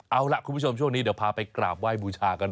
เอาล่ะคุณผู้ชมช่วงนี้เดี๋ยวพาไปกราบไหว้บูชากันหน่อย